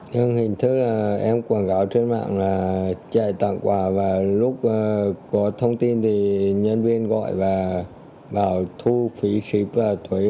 nhưng hình thức là em quảng cáo trên mạng là chạy tặng quà và lúc có thông tin thì nhân viên gọi và bảo thu phí ship và thuế